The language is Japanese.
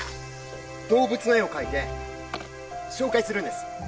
動物の絵を描いて紹介するんです。